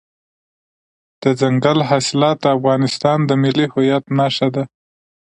دځنګل حاصلات د افغانستان د ملي هویت نښه ده.